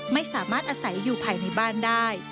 ไม่สามารถอาศัยอยู่ภายในบ้านได้